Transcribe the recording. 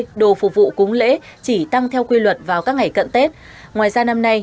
đồ phục vụ cúng lễ chỉ tăng theo quy luật vào các ngày cận tết ngoài ra năm nay